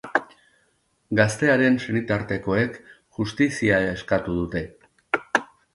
Gaztearen senitartekoek justizia eskatu dute.